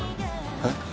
えっ？